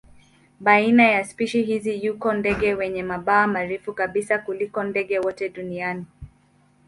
Baina ya spishi hizi yuko ndege wenye mabawa marefu kabisa kuliko ndege wote duniani.